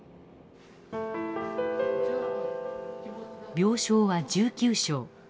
病床は１９床。